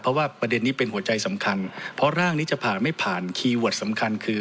เพราะว่าประเด็นนี้เป็นหัวใจสำคัญเพราะร่างนี้จะผ่านไม่ผ่านคีย์เวิร์ดสำคัญคือ